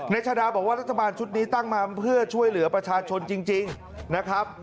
ชาดาบอกว่ารัฐบาลชุดนี้ตั้งมาเพื่อช่วยเหลือประชาชนจริงนะครับ